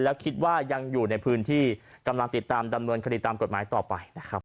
แล้วคิดว่ายังอยู่ในพื้นที่กำลังติดตามดำเนินคดีตามกฎหมายต่อไปนะครับ